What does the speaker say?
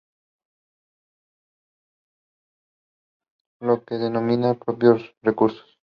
Es lo que se denomina recursos propios.